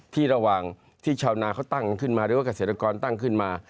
ระหว่างที่ชาวนาเขาตั้งขึ้นมาหรือว่าเกษตรกรตั้งขึ้นมา